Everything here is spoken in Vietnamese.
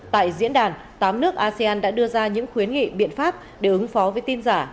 tại diễn đàn tám nước asean đã đưa ra những khuyến nghị biện pháp để ứng phó với tin giả